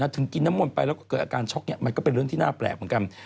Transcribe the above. กินน้ำมนต์ไปแล้วก็เกิดอาการช็อกมันก็เป็นเรื่องที่น่าแปลกเหมือนกัน